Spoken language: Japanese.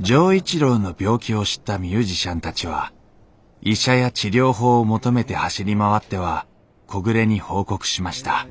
錠一郎の病気を知ったミュージシャンたちは医者や治療法を求めて走り回っては木暮に報告しました。